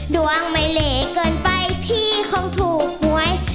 ดวงไม่เหลเกินไปพี่คงถูกหวย